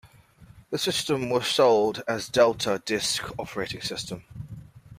The system was sold as the "Delta" disk operating system.